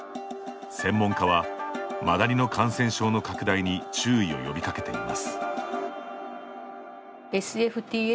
専門家はマダニの感染症の拡大に注意を呼びかけています。